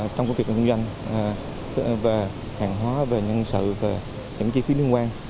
trong công việc doanh doanh về hàng hóa về nhân sự về những chi phí liên quan